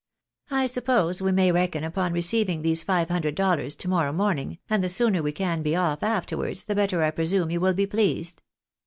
I suppose we may reckon upon receiving these five hundred doUars to morrow morning, and the sooner we can be off afterwards, the better I presume you will be pleased."